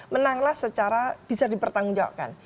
menanglah secara bisa dipertanggungjawabkan